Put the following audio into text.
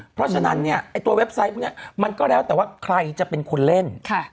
เพราะฉะนั้นเนี่ยไอ้ตัวเว็บไซต์พวกนี้มันก็แล้วแต่ว่าใครจะเป็นคนเล่น